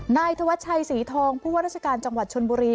นายธวัชชัยศรีทองผู้ว่าราชการจังหวัดชนบุรี